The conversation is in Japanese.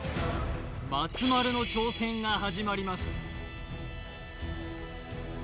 松丸の挑戦が始まります